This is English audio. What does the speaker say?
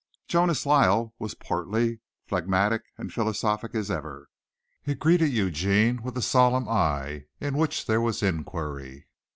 Jonas Lyle was as portly, phlegmatic and philosophic as ever. He greeted Eugene with a solemn eye in which there was inquiry.